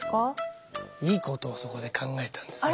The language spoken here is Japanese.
いいことをそこで考えたんですね。